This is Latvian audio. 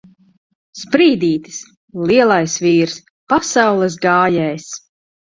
Sprīdītis! Lielais vīrs! Pasaules gājējs!